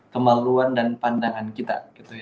kemaluan dan pandangan kita